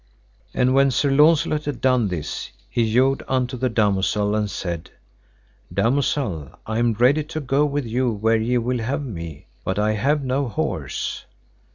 And when Sir Launcelot had done this, he yode unto the damosel and said, Damosel, I am ready to go with you where ye will have me, but I have no horse.